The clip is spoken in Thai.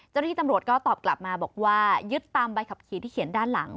เจ้าหน้าที่ตำรวจก็ตอบกลับมาบอกว่ายึดตามใบขับขี่ที่เขียนด้านหลัง